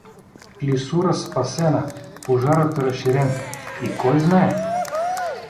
Клисура спасена, пожарът разширен и кой знае?